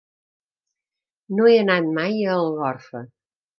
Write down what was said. No he anat mai a Algorfa.